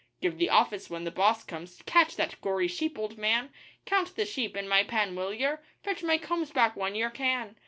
'Give the office when the boss comes.' 'Catch that gory sheep, old man.' 'Count the sheep in my pen, will yer?' 'Fetch my combs back when yer can.